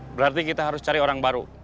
berarti kita harus cari orang baru